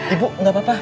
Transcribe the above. ibu enggak apa apa